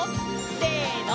せの！